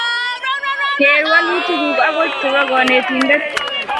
keer walutiguuk ago chebo konetindet